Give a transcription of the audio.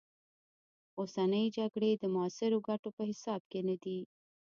اوسنۍ جګړې د معاصرو ګټو په حساب کې نه دي.